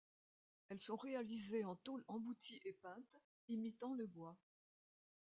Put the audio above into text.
Elles sont réalisées en tôles embouties et peintes, imitant le bois.